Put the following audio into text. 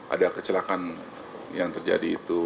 ada kecelakaan yang terjadi itu